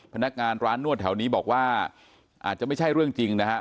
พนักงานร้านนวดแถวนี้บอกว่าอาจจะไม่ใช่เรื่องจริงนะครับ